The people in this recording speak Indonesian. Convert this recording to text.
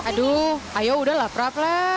aduh ayo udah laprab lah